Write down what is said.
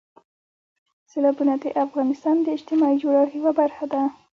سیلابونه د افغانستان د اجتماعي جوړښت یوه برخه ده.